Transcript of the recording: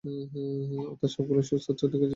অর্থাৎ সবগুলোই সুস্বাস্থ্যের অধিকারী ছিল।